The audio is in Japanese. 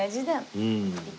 うん！